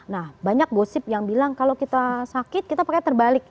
nah banyak gosip yang bilang kalau kita sakit kita pakai terbalik